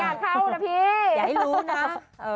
เข้านะพี่อย่าให้รู้นะ